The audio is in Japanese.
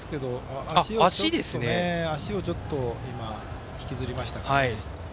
足をちょっと今、引きずりましたかね。